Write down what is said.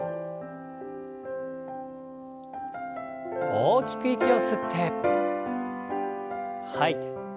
大きく息を吸って吐いて。